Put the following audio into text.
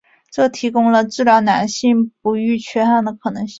这提供了治疗男性不育缺憾的可能性。